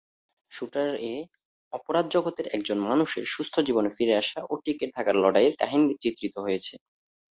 শুটার-এ অপরাধ জগতের একজন মানুষের সুস্থ জীবনে ফিরে আসা ও টিকে থাকার লড়াইয়ের কাহিনি চিত্রিত হয়েছে।